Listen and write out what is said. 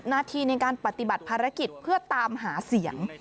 นาทีในการปฏิบัติภารกิจเพื่อตามหาเสียง